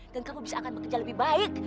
dan kamu bisa akan bekerja lebih baik